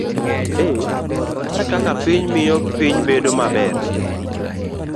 A. mar Kaka Piny Miyo Piny Bedo Maber